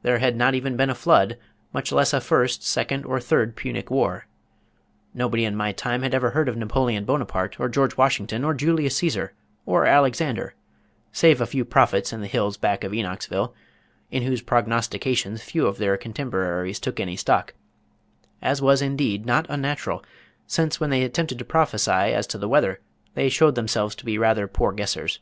There had not even been a flood, much less a first, second, or third Punic War. Nobody in my time had ever heard of Napoleon Bonaparte or George Washington or Julius Cæsar, or Alexander, save a few prophets in the hills back of Enochsville, in whose prognostications few of their contemporaries took any stock; as was indeed not unnatural, since when they attempted to prophesy as to the weather they showed themselves to be rather poor guessers.